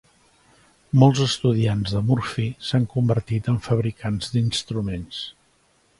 Molts estudiants de Murphy s'han convertit en fabricants d'instruments.